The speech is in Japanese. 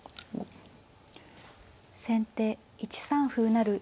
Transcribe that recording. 先手１三歩成。